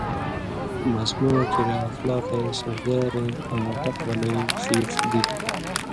ماسمہ واں کریا اخلاقَیں، سُون٘شیارَیں آں حق بنَئیں سیڇھ دی۔